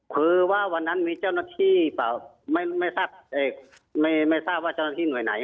คือว่าวันนั้นมีเจ้าหน้าที่เปล่าไม่ทราบว่าเจ้าหน้าที่หน่วยไหน